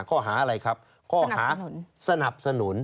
ข้อหาอะไรครับข้อหาสนับสนุน